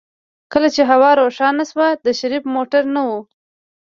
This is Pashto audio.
کله چې هوا روښانه شوه د شريف موټر نه و.